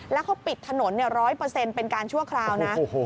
แล้วเขาปิดถนน๑๐๐เป็นการชั่วคราวนะ